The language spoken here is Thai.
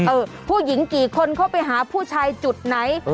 ผู้หญิงกี่คนเข้าไปหาผู้ชายจุดไหน